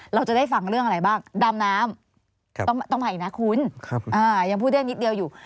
เราจะได้ฟังเรื่องอะไรบ้างดำน้ำครับต้องมาอีกนะคุณครับอ่ายังพูดเรื่องนิดเดียวอยู่